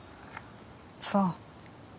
そう。